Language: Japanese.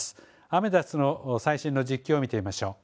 アメダスの最新の実況を見てみましょう。